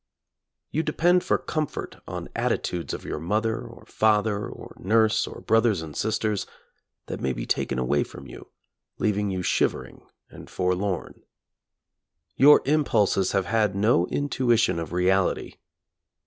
You depend for comfort on attitudes of your mother or father or nurse or brothers and sisters, that may be taken away from you, leaving you shivering and forlorn. Your impulses have had no intuition of reality.